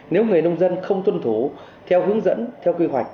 nếu người nông dân không tuân thủ theo hướng dẫn theo quy hoạch